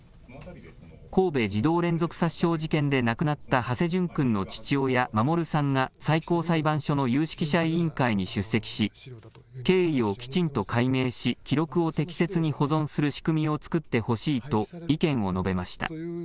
神戸児童連続殺傷事件で亡くなった土師淳君の父親、守さんが最高裁判所の有識者委員会に出席し、経緯をきちんと解明し、記録を適切に保存する仕組みを作ってほしいと意見を述べました。